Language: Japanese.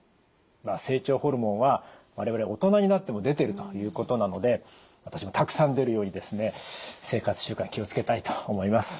成長ホルモンは我々大人になっても出てるということなので私もたくさん出るように生活習慣気を付けたいと思います。